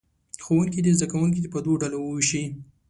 ښوونکي دې زه کوونکي په دوو ډلو ووېشي.